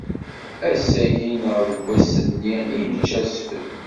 Ass-agi neɣ deg wass-nni i nečča asfel.